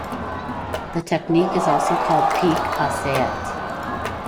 The technique is also called pique assiette.